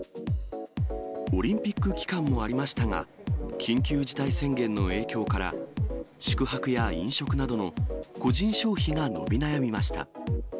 オリンピック期間もありましたが、緊急事態宣言の影響から、宿泊や飲食などの個人消費が伸び悩みました。